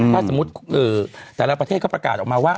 ถ้าสมมุติแต่ละประเทศเขาประกาศออกมาว่า